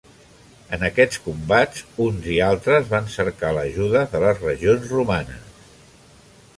En aquests combats, uns i altres van cercar l'ajuda de les regions romanes.